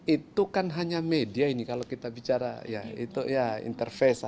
itu kan hanya media ini kalau kita bicara ya itu ya interface